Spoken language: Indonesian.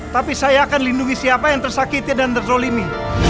tapi saya akan lindungi siapa yang tersakiti dan terzolimi